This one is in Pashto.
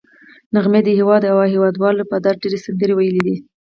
نغمې د هېواد او هېوادوالو په درد ډېرې سندرې ویلي دي